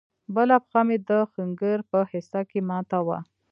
بله پښه مې د ښنگر په حصه کښې ماته وه.